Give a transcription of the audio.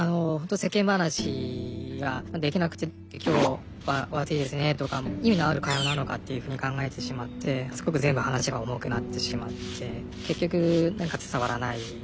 ほんと世間話ができなくて「今日はお暑いですね」とかも意味のある会話なのかっていうふうに考えてしまってすごく全部話が重くなってしまって結局なんか伝わらない。